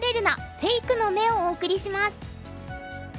フェイクの目」をお送りします。